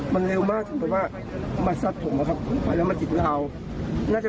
มันมีทีแรกผมก็จะเกิดอยู่กับเสาร์อะไรใกล้อยู่กัน